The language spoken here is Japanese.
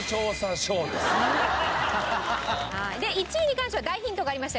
１位に関しては大ヒントがありましたよね。